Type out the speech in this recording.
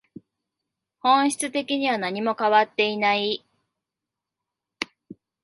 本質的には何も変わっていない